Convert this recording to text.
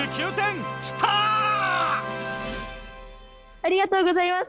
ありがとうございます！